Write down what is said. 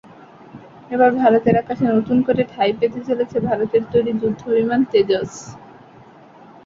এবার ভারতের আকাশে নতুন করে ঠাঁই পেতে চলেছে ভারতের তৈরি যুদ্ধবিমান তেজস।